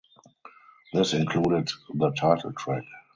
This included the title track.